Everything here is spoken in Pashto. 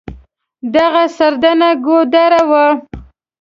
دغه سردنه ګودر و.